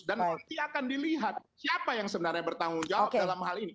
dan nanti akan dilihat siapa yang sebenarnya bertanggung jawab dalam hal ini